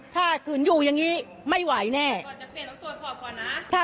ถ้าคืนอยู่อย่างงี้ไม่ไหวแน่ก่อนจะเปลี่ยนลองตัวขอบก่อนนะ